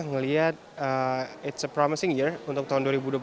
melihat it's a promising year untuk tahun dua ribu dua puluh dua